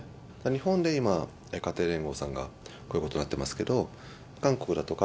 日本で今、家庭連合さんがこういうことになってますけど、韓国だとか、